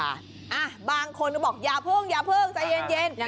อ้าบางคนก็บอกอย่าเพิ่งใจเย็น